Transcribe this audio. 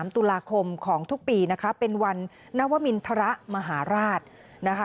๑๓ตุลาคมของทุกปีเป็นวันนาวมินทรมหาราช